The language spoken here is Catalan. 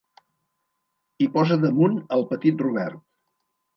Hi posa damunt el Petit Robert.